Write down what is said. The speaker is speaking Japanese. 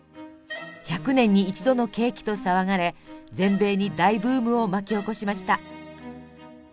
１００年に一度のケーキと騒がれ全米に大ブームを巻き起こしました。